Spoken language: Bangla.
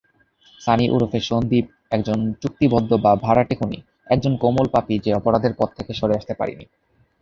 সানি ওরফে সন্দীপ একজন চুক্তিবদ্ধ বা ভাড়াটে খুনি, একজন কোমল পাপী যে অপরাধের পথ থেকে সরে আসতে পারেনি।